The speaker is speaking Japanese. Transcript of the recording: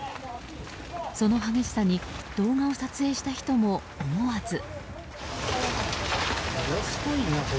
その激しさに動画を撮影した人も思わず。